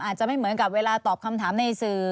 อาจจะไม่เหมือนกับเวลาตอบคำถามในสื่อ